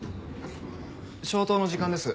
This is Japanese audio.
消灯の時間です。